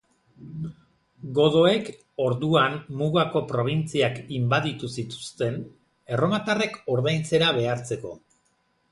Godoek orduan mugako probintziak inbaditu zituzten, erromatarrek ordaintzera behartzeko.